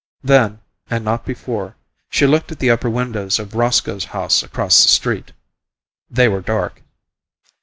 Then, and not before, she looked at the upper windows of Roscoe's house across the street. They were dark.